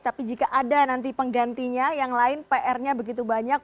tapi jika ada nanti penggantinya yang lain pr nya begitu banyak